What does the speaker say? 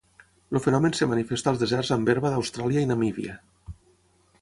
El fenomen es manifesta als deserts amb herba d'Austràlia i Namíbia.